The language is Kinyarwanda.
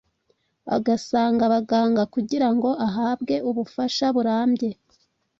agasanga abaganga kugirango ahabwe ubufasha burambye.